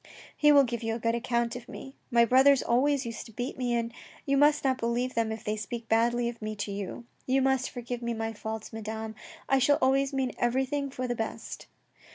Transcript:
He will give you a good account of me. My brothers always used to beat me, and you must not believe them if they speak badly of me to you. You must forgive my faults, Madame. I shall always mean everything for the best."